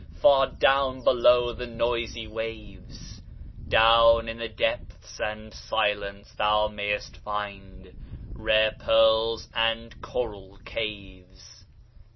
far down below the noisy waves, Down in the depths and silence thou mayst find Rare pearls and coral caves.